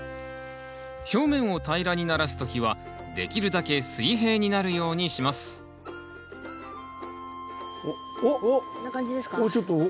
表面を平らにならす時はできるだけ水平になるようにしますおっ！